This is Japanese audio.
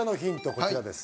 こちらです